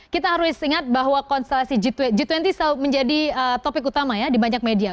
kita harus ingat bahwa konstelasi g dua puluh menjadi topik utama ya di banyak media